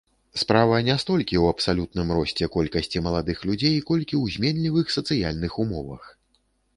Справа не столькі ў абсалютным росце колькасці маладых людзей, колькі ў зменлівых сацыяльных умовах.